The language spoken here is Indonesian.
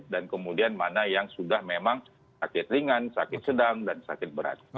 dan kemudian mana yang sudah memang sakit ringan sakit sedang dan sakit berat